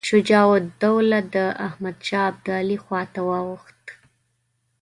شجاع الدوله د احمدشاه ابدالي خواته واوښت.